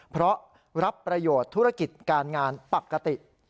เพราะรับประโยชน์ธุรกิจการงานปกติ